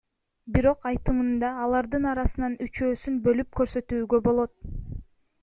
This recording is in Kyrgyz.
Бирок айтымында, алардын арасынан үчөөсүн бөлүп көрсөтүүгө болот.